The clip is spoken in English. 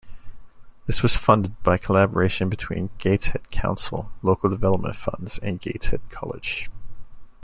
This was funded by collaboration between Gateshead Council, local development funds and Gateshead College.